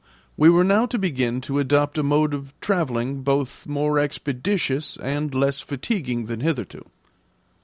We were now to begin to adopt a mode of travelling both more expeditious and less fatiguing than hitherto.